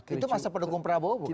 itu masa pendukung prabowo bukan ya